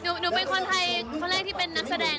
หนูเป็นคนไทยคนแรกที่เป็นนักแสดง